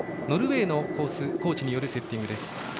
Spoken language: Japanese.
ノルウェーのコーチによるセッティングです。